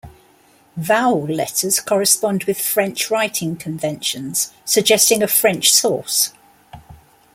Vowel letters correspond with French writing conventions, suggesting a French source.